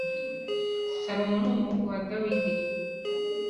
salomo numuhungu wa dawidi